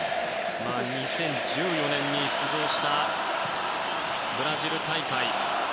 ２０１４年に出場したブラジル大会。